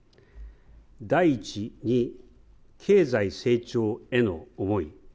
第１に、経済成長への思い。